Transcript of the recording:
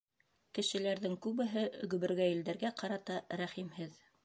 Кешеләрҙең күбеһе гөбөргәйелдәргә ҡарата рәхимһеҙ.